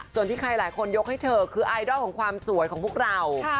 ส่วนที่ใครหลายคนยกให้เธอคือไอดอลของความสวยของพวกเรา